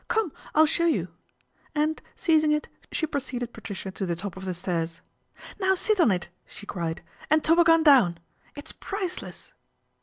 Come, I'll shot you/' and seizing it she preceded Patricia to th top of the stairs. " Now sit on it," she cried, " am toboggan down. It's priceless."